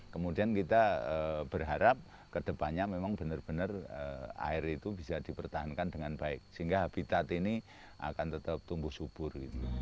kemudian kita berharap kedepannya memang benar benar air itu bisa dipertahankan dengan baik sehingga habitat ini akan tetap tumbuh subur